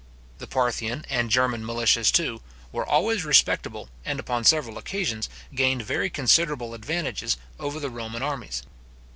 The Parthian and German militias, too, were always respectable, and upon several occasions, gained very considerable advantages over the Roman armies.